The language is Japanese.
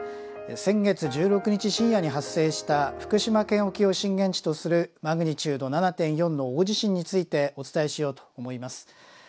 先月１６日深夜に発生した福島県沖を震源地とするマグニチュード７．４の大地震についてお伝えしようと思います。